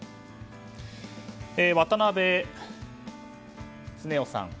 渡辺恒雄さん。